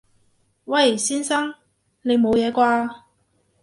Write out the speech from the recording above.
喂！先生！你冇嘢啩？